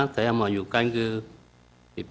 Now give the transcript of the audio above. saya mengajukan ke ipk lidah